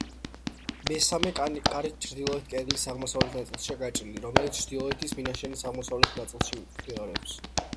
მესამე კარი ჩრდილოეთ კედლის აღმოსავლეთ ნაწილშია გაჭრილი, რომელიც ჩრდილოეთ მინაშენის აღმოსავლეთ ნაწილში გადის.